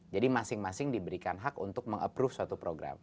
jadi masing masing diberikan hak untuk meng approve suatu program